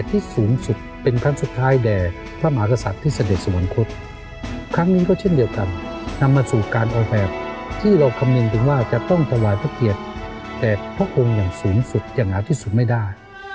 อย่างน้อยที่สุดไม่ได้